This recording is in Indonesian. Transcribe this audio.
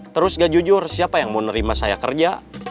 terus gak jujur siapa yang mau nerima saya kerja